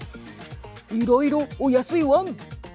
いろいろお安いワン。